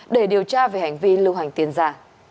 để điều tra về hành vi lưu hành tiền giả